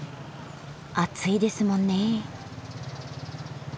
暑いですもんね。